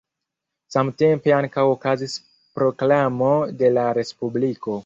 Samtempe ankaŭ okazis proklamo de la respubliko.